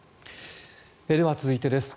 では、続いてです。